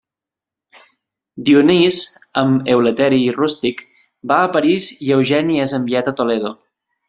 Dionís, amb Eleuteri i Rústic, va a París i Eugeni és enviat a Toledo.